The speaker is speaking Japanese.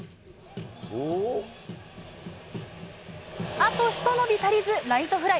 あとひと伸び足りずライトフライ。